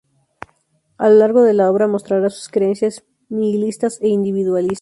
A lo largo de la obra mostrará sus creencias nihilistas e individualistas.